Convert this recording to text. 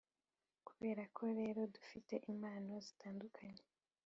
kubera ko rero dufite impano zitandukanye